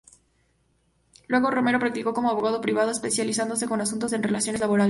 Luego, Romero practicó como abogado privado, especializándose en asuntos de relaciones laborales.